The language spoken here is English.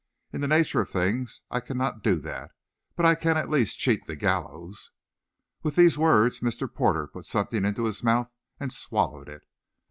In the nature of things, I cannot do that, but I can at least cheat the gallows." With these words, Mr. Porter put something into his mouth and swallowed it.